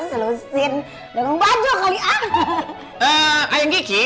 ya udah kalau gitu